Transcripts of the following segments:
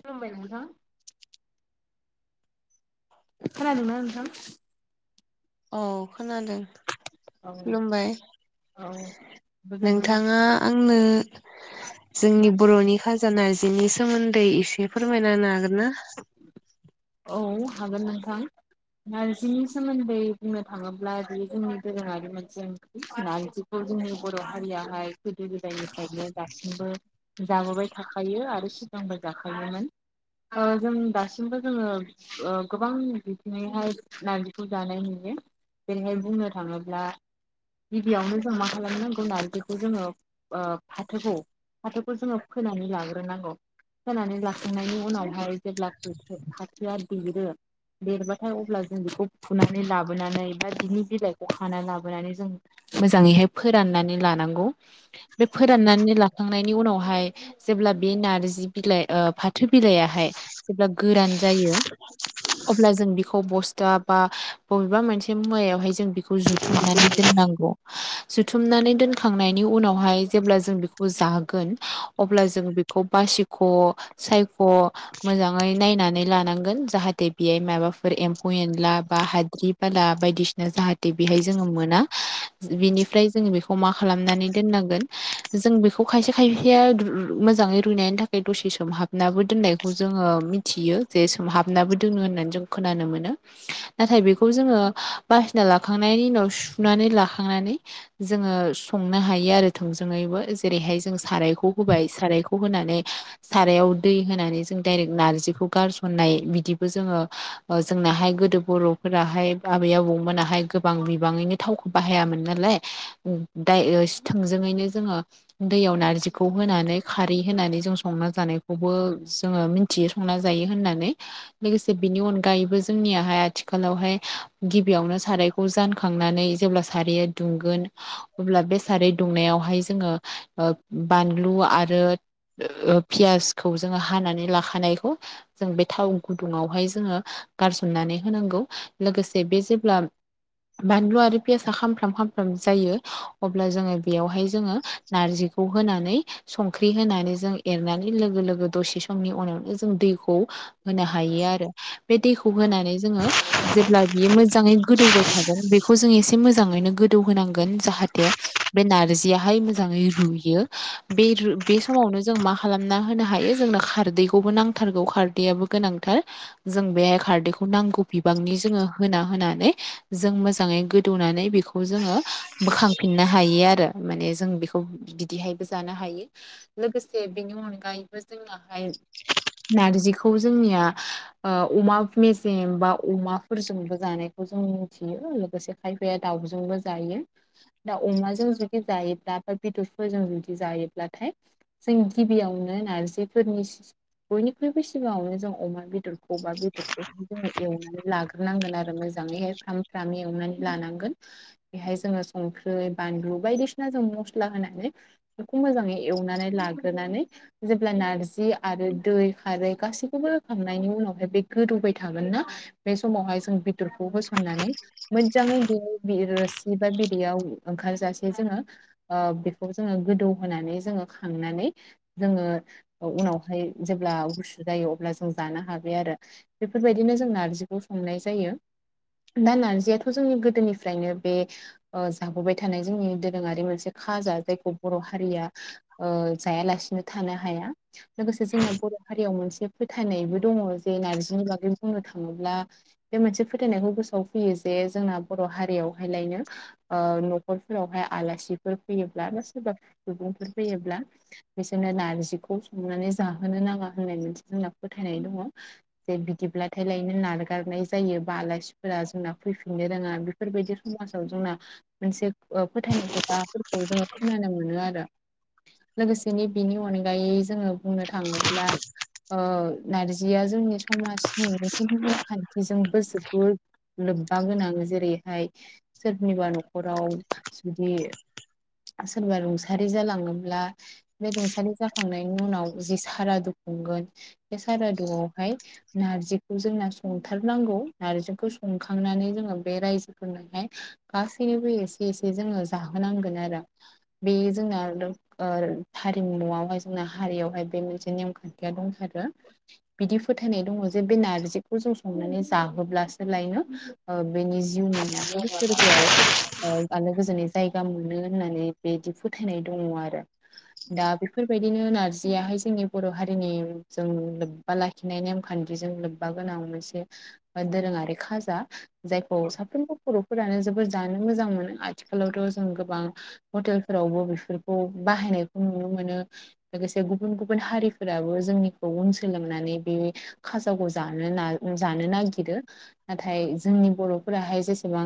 खुलुमबाय नोंथां। खोनादोंना नोंथां? औ। खोनादों औ खुलुमबाय औ गोजोन मोना नोंथाङा आं नो जोंनि बरनि खाजा नारजिनि सोमोन्दै एसे बे फोरमायना होनो हागोन ना? औ हागोन नोंथां। नारजिनि सोमोन्दै बुंनो थाङोब्ला बे जोंनि दोरोङारि मोनसे ओंख्रि नारजिखौ जोंनि बर हारियाहाय गोदो गोदायनिफ्रायनो दासिमबो जाबोबाय थाखायो आरो सिगांबो जाखायो। [unintelligible] ओ जों दासिमबो जोङो ओ गोबां बिथिङैहाय नारजिखौ जानाय नुयो। जेरैहाय बुंनो थाङोब्ला गिबियावनो जों मा खालामनांगौ नारजिखौ जोङो ओ फाथोखौ फाथोखौ जोङो फोनानै लाग्रोनांगौ। फोनानै लाखांनायनि उनावहाय जेब्ला [unintelligible] फाथोआ देरो देरबाथाय अब्ला जों बेखौ फुनानै लाबोनानै बा बिनि बिलाइखौ खानानै लाबोनानै जों मोजाङैहाय फोराननानै लानांगौ बे फोराननानै लाखांनायनि उनावहाय जेब्ला अब्ला बे नारजि बिलाइ ओ फाथो बिलाइ आहाय जेब्ला गोरान जायो अब्ला जों बेखौ बस्था बा बबेबा मोनसे मुवायावहाय जों बेखौ जुथुमनानै दोन जुथुमनानै दोनखांनायनि उनावहाय जेब्ला जों बेखौ जागोन अब्ला जों बेखौ बासि सायख' मोजै नायनानै लोन जाह बे माबा एमफौ एनलाबा हाद्रि बाला बायदिसिना जाहाथे बेहाय जों मोनानि बेखौ मा खालामनानै दोननांगोन जों बेखौ खायसे खायसेया मोजाङै रुइनायनि थाखाय बे दसे सोमहाबनाबो दोननायखौ जोङो मिथियो जे सोमहाबनाबो दोनङो होननानै जों खोनानो मोनो नाथाय बेखौ जोङो बासिना लाखांनायनि उनाव सुनानै लाखांनानै जोङो संनो हायो आरो थोंजोङैबो जेरैहाय जों सारायखौ होबाय सारायखौ होनानै सारायाव दै होनानै जों डाइरेक नारजिखौ गारसननाय बिदिबो जोङो जों हाय गोदो बर'फोराहाय आबै आबौमोनाहाय गोबां बिबाङैनो थावखौ बाहायामोन नालाय दा थोंजोङैनो जोङो दैयाव नारजिखौ होनानै खारै होनानै जों बो जोङो मिथियो संना जायो होननानै लोगोसे बिनि अनगायैबो जोंनियाव आथिखालावहाय गिबियावनो सारायखौ जानखांनानै जेब्ला सारया दुंगोन अब्ला बे सारै दुंनायावहाय जोङो बानलु आरो पियासखौ जोङो हानानै लाखानायखौ जों बे थाव गुदुङावहाय जोङो गारसननानै होनांगौ लोगोसे बे जेब्ला बानलु आरो पियास खामफ्राम जायो अब्ला जोङो बेवहाय जोङो नारजिखौ होनानै सं ओंख्रि होनानै जों एरनानै लोगो लोगो दसे समनि उनावनो जों दैखौ होनो हायो आरो बे दैखौ होनानै जोङो जेब्ला बियो मोजाङै गोदौबाय थागोन बेखौ जों एसे एसे मोजाङैनो गोदौ होनांगोन जाहाथे बे नारजियहाय मोजाङै रुयो बे बे समावनो जों मा खालामना होनो हायो जोंनो खारदैखौबो नांथारगौ खारदैयाबो गोनांथार जों बेहाय खारदैखौ नांगौ बिबांनि जोङो होना होनानै जों मोजाङै गोदौनानै बेखौ जोङो बोखांफिननो हायो आरो माने जों बेखौ बिदिहायबो जानो हायो लोगोसे बेनि अनगायैबो जोंनाहाय नारजिखौ जोंनिया अमा मेजेम बा अमाफोरजोंबो जानायखौ मिथि लोगोसे खायफाया दाउबो जायो दा अमाजों जुदि जायोब्ला फोर बेदरफोरजों जुदि जायोब्लाथाय जों गिबियावनो नारजिफोरनि बयनिख्रुबो सिगाङावनो जों अमा बेदरखौबा बेदरखौहाय जोङो एवनानै लाग्रोनांगोन आरो मोजां ङै फ्राम फ्राम एवनानै लानांगोन बेहाय जोङो संख्रि बानलु बायदिसिना जों मस्ला होनानै बेखौ मोजाङै एवनानै लागोन जेब्ला नारजि आरो दै खारै गासैखौबो होखांनायनि उनावहाय बे गोदौ थागोनना बेसमावहाय जोङो बेदरखौ होसननानै मोजाङै बिदैयाव ओंखारजासे जोङो बेखौ जोङो गोदौ होनानै जोङो खांनानै जोङो उनावहाय जेब्ला गुसु जायो अब्ला जों जानो हाबाय आरो बेफोर बेफोरबायदिनो जों नारजिखौ संनाय जायो दा नारजियाथ' जोंनि गोदोनिफ्रायनो बे जाबोबाय थानाय जोंनि दोरोङारि मोनसे खाजा जायखौ बर' हारिया जायालासेनो थानो हाया लोगोसे जोंना बर' हारियाव मोनसे फोथायनायबो दङ जे नारजि बै बुंनो थाङोब्ला बे मोनसे फोथायनायखौ गोसोआव फैयो जे जोंना बर' हारियावहायलायनो ओ न'खरफोरावहाय आलासिफोर फैयोब्ला बा सोरबाफोर सुबुंफोर फैयोब्ला बिसोरनो नारजिखौ संनानै जाहोनो नाङा होननानै जोंना फोथायनाय दङ बिदिब्लाथाय लायनो नारगारनाय जायो बा आलासिफोरा जोंना फैफि नो रोङा बेफोरबायदि समाजाव जोंना मोनसे ओ फोथायनाय खोथाफोरखौ जोङो खोनानो मोनो आरो लोगोसेनो बिनि अनगायै जोङो बुंनो थाङोब्ला ओ नारजिया जोंनि सम समाजनि मोनसे नेम खान्थिजों जोबोर [unintelligible] लोब्बा गोनां जेरैहाय सोरनिबा न'खराव जुदि सोरबा रुंसारि जालाङोब्ला बे रुंसारि जाखांनायनि उनाव जि सारादु खुंगोन बे सारादुआवहाय नारजिखौ जोंना संथारनांगौ नारजिखौ संखांनानै जोङो बे रायजोफोरनोहाय । गासैनोबो एसे एसे जोङो जाहोनांगोन आरो बे जोंना ओ हारिमुआवहाय जोंना हारियावहाय बे मोनसे नेमखान्थिया दंथारो बिदिफोर होनाय दङ जे बे नारजिखौ जों संनानै जाहोब्लासो लायनो ओ बेनि जिउमाया सोरगोआव ओ आलो गोजोनै जायगा मोनो होननानै बिदि फोथायनाय दङ आरो। [inaudible] दा बेफोरबायदिनो नारजियाहाय जोंनि बर' हारिनि जों लोब्बा लाखिनाय नेमखान्थिजों लोब्बा गोनां मोनसे दोरोङारि खाजा जायखौ साफ्रोमबो बर'फोरानो जोबोद जानो मोजां मोनो आथिखालावथ' जों गोबां हटेलफोरावबो बेफोरखौ। बाहायनायखौ नुनो मोनो लोगोसे गुबुन गुबुन हारिफोराबो जोंनिखौ उन सोलोंनानै बे खाजाखौ जानो ना जानो नागिरो नाथाय जोंनि बर'फोराहाय जसेबां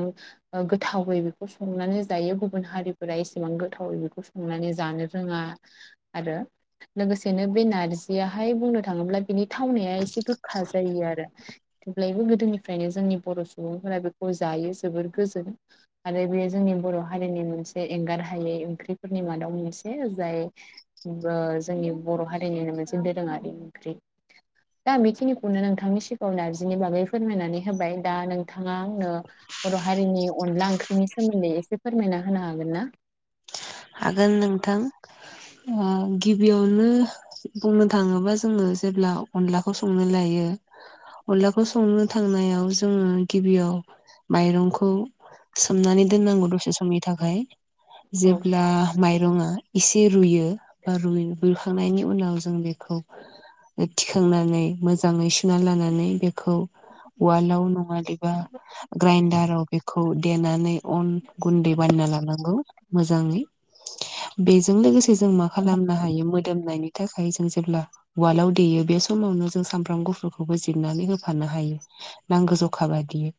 बां गोथावै बेखौ संनानै जायो गुबुन हारिफोरा एसेबां गोथावै बेखौ संनानै जानो रोङा आरो लोगोसेनो बे नारजियाहाय बुंनो थाङोब्ला । बिनि थावनाया एसे गोखा जायो आरो। जेब्लायबो गोदोनिफ्रायनो जोंनि बर' सुबुंफोरा बेखौ जायो जोबोर गोजोन आरो बेयो जोंनि बर' हारिनि मोनसे एंगार हायै ओंख्रिफोरनि मादाव मोन से जाय ओ जोंनि बर' हारिनिनो मोनसे दोरोङारि ओंख्रि। दा बेखिनिखौनो नोंथांनि सि नारजिनि बागै फोरमायनानै होबाय दा नोंथाङा आंनो बर' हारिनि अनला ओंख्रिनि सो मोन्दै एसे फोरमायना होनो हागोन ना? हागोन [inaudible] ओ गिबियावनो बुंनो थाङोबा जोङो जेब्ला अनलाखौ संनो लायो । अनलाखौ संनो थांनायाव जोङो गिबियाव माइरंखौ । सोमनानै दोननांगौ दसे समनि थाखाय। औ माइरंआ एसे रुयो बा रुइ रुखांनायनि उनाव जों बेखौ । थिखांनानै मोजाङै सुना लानानै बेखौ । उवालाव नङा देबा ग्राइन्दाराव बेखौ देनानै । अन गुन्दै बानायना लानांगौ मोजाङै । बेजों लोगोसे जों मा खालामनो हायो मोदोमनायनि थाखाय जों जेब्ला उवालाव दैयो बे समावनो जों सामब्राम गुफुरखौबो जिरनानै होफानो हायो नांगौ जखा बायदियै ।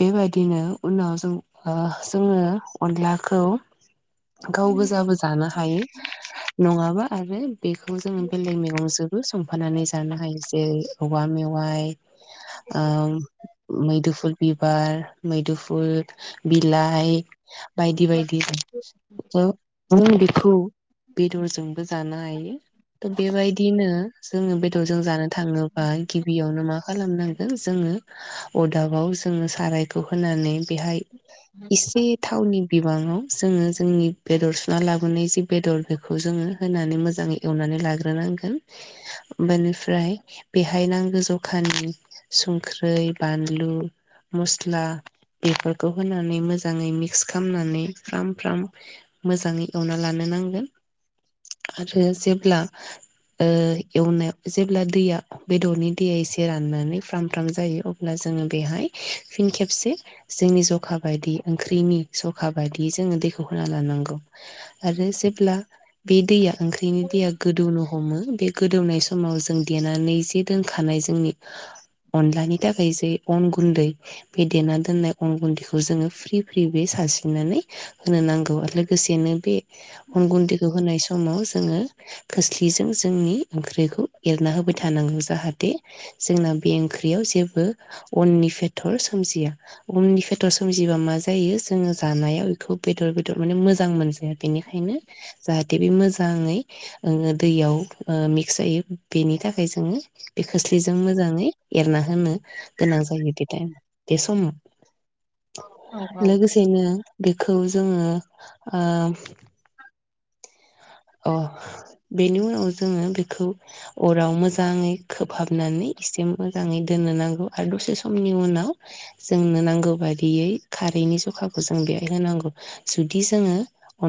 बेबायदिनो उनाव जों ओ जोङो अनलाखौ गाव गोजाबो जानो हायो नङाबा आरो । बेखौ जोङो बेलेग मेगं जोंबो संफानानै जानो हायो जेरै औवा मेवाइ । आ मैदुफुल बिबार मैदुफुल बिलाइ बायदि बायदि। जों बेखौ बेदरजोंबो जानो हायो। थ' बेबायदिनो जोङो बेदरजों जानो थाङोबा गिबियावनो मा खालामनांगोन जोङो अरदाबाव जोङो सारायखौ होनानै बेहाय एसे थावनि बिबाङाव जोङो जोंनि बेदर सुना लाबोनाय जि बेदर बेखौ । जोङो होनानै मोजाङै एवनानै लाग्रो नांगोन बेनिफ्राय बेहाय नां गौ जखानि संख्रै बानलु, मस्ला बेफोरखौ होनानै मोजाङै मिक्स खामनानै। फ्राम फ्राम मोजाङै एवना लानो नांगोन। आरो जेब्ला ओ एवनायाव जेब्ला दैया बेदरनि दैया एसे राननानै फ्राम फ्राम जायो अब्ला जों बेहाय फिन खेबसे जोंनि जखा बायदि ओंख्रिनि जखा बायदि। बि जोंङो दैखौ होना लानांगौ। आरो जेब्ला बे दैया ओंख्रिनि दैया गोदौनो हमो। बे गोदौनाय समाव जों देनानै जे दोनखानाय जोंनि अनलानि थाखाय जे अन गुन्दै बे देना दोननाय अन गुन्दैखौ जोङो फ्रि फ्रि बे सास्रिनानै होनो नांगौ। लोगोसेनो बे अन गुन्दखौ होनाय स समाव जोङो खोस्लिजों जोंनि ओंख्रिखौ एरना होबाय थानांगौ जाहाथे जोंना बे ओंख्रियाव जेबो अननि फेथर सोमजिया। अननि फेथर सोमजिबा मा मा जायो जोङो जानायाव खौ बेदर बेदर माने मोजां मोनजाया बेनिखायनो जाहाथे बे मोजाङै ङो दैयाव ओ मिक्स जायो बेनि थाखाय जोङो बे खोस्लिजों मोजाङै एरना होनो गोनां जायो बे टाइम बे समाव। औ लोगोसेनो बेखौ जोङो ओ अ बेनि उनाव जोङो बेखौ अराव मोजाङै खोबहाबनानै एसे मोजाङै दोननो नांगौ आरो दसे समनि उनाव जोंनो नांगौ बायदियै खारै नि जखाखौ जों बे बे होनांगौ जुदि जोङो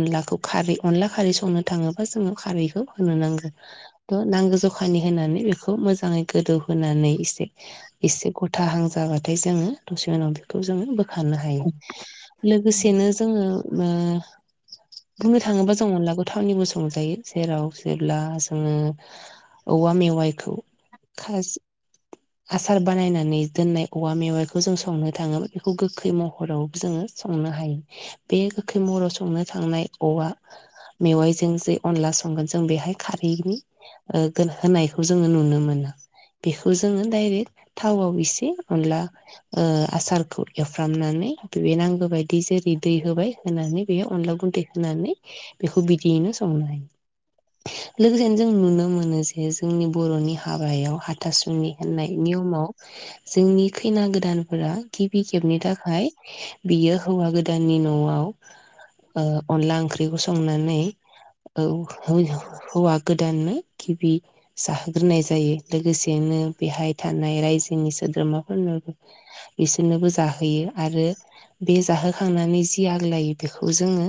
अनलाखौ खारै अनला खारै संनो थाङोबा जोङो खारैखौ होनो नांगौ। ओ नांगौ जखानि होनानै बेखौ मोजाङै गोदौ होनोनानै एसे एसे गथाहां जाबाथाय जोङो दसे उनाव बेखौ जोङो बो खारनो हायो। औ लोगोसेनो जोङो ओ बुंनो थाङोबा जों अनलाखौ थावनिबो संजायो जेराव जेब्ला जोङो औवा मेवाइखौ खास आसार बानायनानै दोननाय औवा मेवाइखौ जों संनो थाङोमोन बेखौ गोखै महराव जोङो संनो हायो। बे गोखै महराव संनो थांनाय औवा मेवाइजों जे अनला संगोन जों बेहाय खारैनि ओ गो होनायखौ जोङो नुनो मोना। बेखौ जोङो दाइरेक्ट थावआव एसे अनला ओ आसारखौ एवफ्रामनानै [unintelligible] बेबायदि जेरै दै होबाय होनानै बे अनला गुन्दै होनानै बेखौ बिदियैनो संनो हायो। लोगोसेनो जों नुनो मोनो जे जोंनि बर'नि हाबायाव हा थासुनि होननाय नियमाव जोंनि खैना गोदानफोरा गिबि खेबनि थाखाय बियो हौवा गोदाननि न'आव ओ अनला ओंख्रिखौ संनानै औ हो-हौवा गोदान गिबि जाहोग्रोनाय जायो। लोगोसेनो बेहाय थानाय रायजोनि सोद्रोमाफोरनो बिसोरनोबो जाहोयो आरो बे जाहोखांनानै जि आग्लायो बेखौ जोङो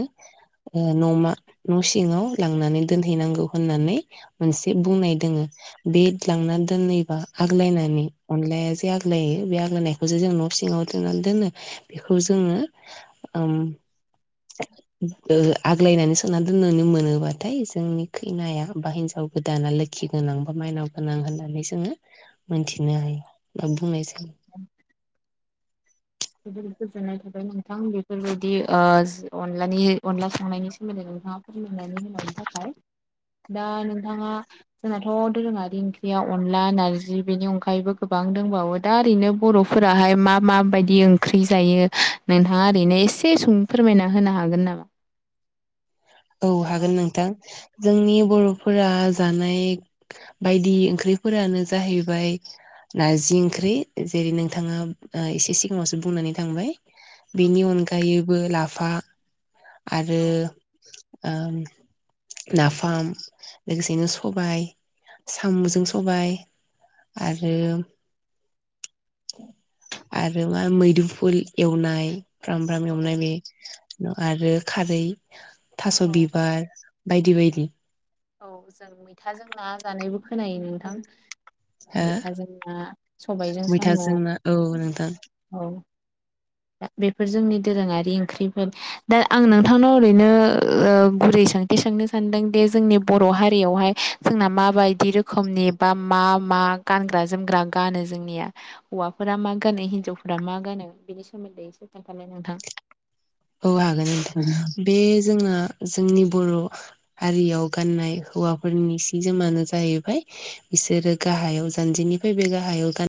ओ न'मा न' सिङाव लांनानै दोनहैनांगौ होननानै मोनसे बुंनाय दोङो। बे लांनानै दोनैबा आग्लायनानै अनलाया जे आग्लायो बे आग्लायनायखौ जो जों न' नसिङाव दोननानै दोनो बेखौ जोङो ओम ओ आग्लायनानै सोननानै दोननो मोनोबाथाय जोंनि खैनाया बा हिनजाव गोदाना लोखि गोनां बा माइनाव गोनां होननानै जोङो मोनथिनो हायो बा बुंनाय जायो। [inaudible] जोबोद गोजोननाय थाबाय नोंथां बेफोरबायदि ओ अनलानि अनला संनायनि सोमोन्दै [unintelligible] दा नोंथाङा जोंनाथ' दोरोङारि ओंख्रिया अनला नारजि बेनि अनगायैबो गोबां बां दंबावो दा ओरैनो बर'फोराहाय मा मा बायदि ओंख्रि जायो नोंथाङा ओरैनो एसे संनो फोरमायना होनो हागोन नामा? औ जेनेबा हागोन नोंथां। औ जोंनि बर' फोरा जानाय बायदि ओंख्रिफोरानो जाहैबाय नारजि ओंख्रि जेरै नोंथाङा ओ एसे सिगाङावसो बुंनानै थांबाय औ बेनि अनगायैबो लाफा आरो औ ओ नाफाम लोगोसेनो सबाय साम'जों सबाय। आरो आरो मा मैदुफुल एवनाय। फ्राम फ्राम एवनाय बे आरो खारै थास' औ बिबार। बायदि बायदि औ जों मैथाजों ना जानायबो खोनायो नोंथां। हो मैथाजों ना सबायजों साम' मैथाजों ना नोंथां औ। दा बेफोर जोंनि दोरोङारि ओंख्रिफोर दा आं नोंथांनाव ओरैनो गुरै सोंथि सोंनो सानदों दि जोंनि बर' हारियावहाय जोंना माबायदि रोखोमनि बा मा? मा गानग्रा जोमग्रा गानो जोंनिया हौवाफोरा मा गानो हिनजावफोरा मा गानो बिनि । सोमोन्दै एसे खिन्थालाय नोंथां। औ हागोन उम बे जोंना जोंनि बर' हारियाव गाननाय हौवाफोरनि सि जोमानो जाहैबाय बिसोरो गाहायाव जानजि निफ्राय बे गाहायाव